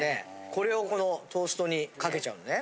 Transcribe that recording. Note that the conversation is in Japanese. これをこのトーストにかけちゃうのね。